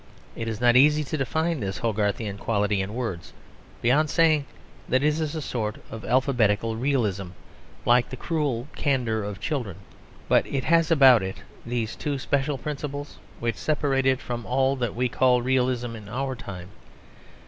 It is not easy to define this Hogarthian quality in words, beyond saying that it is a sort of alphabetical realism, like the cruel candour of children. But it has about it these two special principles which separate it from all that we call realism in our time.